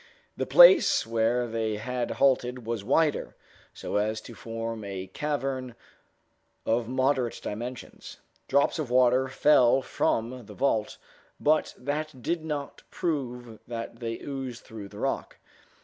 The place where they had halted was wider, so as to form a cavern of moderate dimensions. Drops of water fell from the vault, but that did not prove that they oozed through the rock.